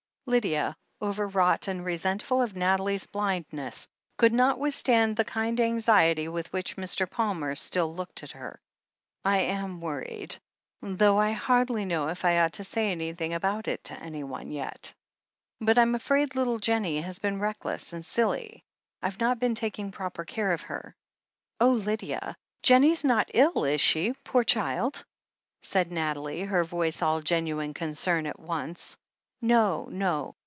Lydia, overwrought and resentful of Nathalie's blindness, could not withstand the kind anxiety with which Mr. Palmer still looked at her. "I am worried — ^though I hardly know if I ought to say anything about it to anyone yet. But I'm afraid little Jennie has been reckless and silly — I've not been taking proper care of her." "Oh, Lydia! Jennie's not ill, is she, poor child?" said Nathalie, her voice all genuine concern at once. "No, no.